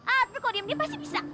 ah tapi kalo diam dia pasti bisa